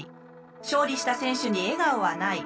勝利した選手に笑顔はない。